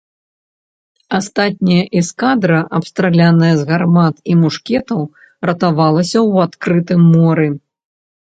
Астатняя эскадра, абстраляная з гармат і мушкетаў, ратавалася ў адкрытым моры.